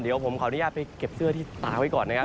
เดี๋ยวผมขออนุญาตไปเก็บเสื้อที่ตาไว้ก่อนนะครับ